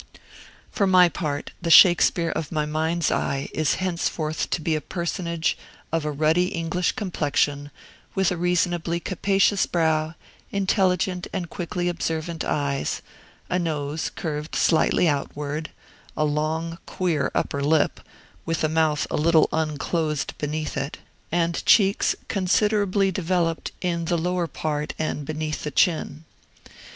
For my part, the Shakespeare of my mind's eye is henceforth to be a personage of a ruddy English complexion, with a reasonably capacious brow, intelligent and quickly observant eyes, a nose curved slightly outward, a long, queer upper lip, with the mouth a little unclosed beneath it, and cheeks considerably developed in the lower part and beneath the chin.